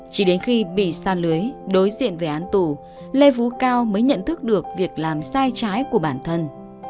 chỉ đến khi bị sa lưới đối diện về án tù lê phú cao mới nhận thức được việc làm sai trái của bản thân